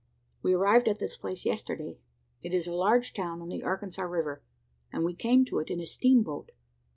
"We arrived at this place yesterday. It is a large town on the Arkansas river: and we came to it in a steam boat.